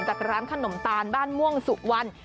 จากร้านขนมตาลบ้านม่วงสุวรรณ